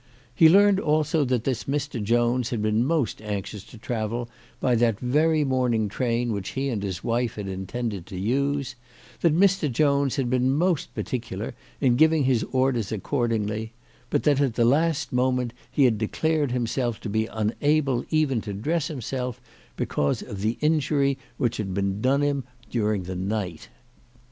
He learned also that this Mr. Jones had been most anxious to travel by that very morning train which he and his wife had intended to use, that Mr. Jones had been most particular in giving his orders accordingly, but that at the last moment he had declared himself to be unable even to dress himself, because of the injury which had been done him during the night.